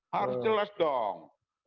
harus jelas dong